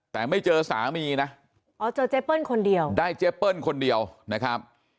แต่ไม่เจอสามีนะอ๋อเจอเจเปิ้ลคนเดียวได้เจ๊เปิ้ลคนเดียวนะครับ